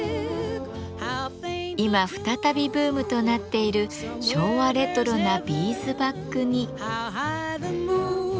今再びブームとなっている昭和レトロなビーズバッグに。